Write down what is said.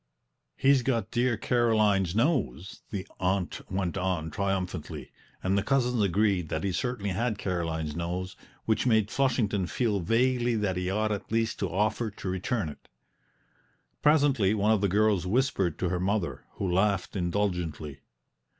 "He's got dear Caroline's nose!" the aunt went on triumphantly; and the cousins agreed that he certainly had Caroline's nose, which made Flushington feel vaguely that he ought at least to offer to return it. Presently one of the girls whispered to her mother, who laughed indulgently.